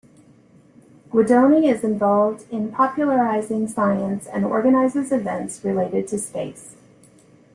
Guidoni is involved in popularizing science and organizes events related to space.